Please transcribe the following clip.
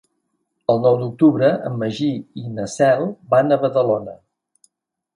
El nou d'octubre en Magí i na Cel van a Badalona.